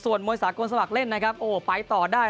ส่วนมวยสากลสมัครเล่นโอ้ไปต่อได้